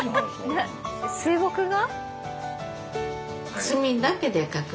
水墨画？